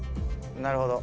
なるほど。